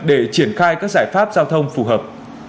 để triển khai các giải pháp giao thông phù hợp